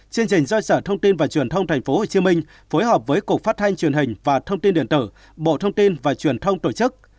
chương trình do sở thông tin và truyền thông thành phố hồ chí minh phối hợp với cục phát thanh truyền hình và thông tin điện tử bộ thông tin và truyền thông tổ chức